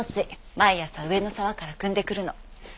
毎朝上の沢から汲んでくるの。